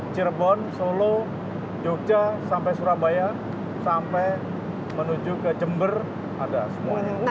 cirebon solo jogja sampai surabaya sampai menuju ke jember ada semuanya